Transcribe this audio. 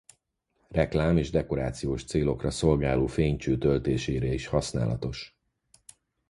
Reklám- és dekorációs célokra szolgáló fénycső töltésére is használatos.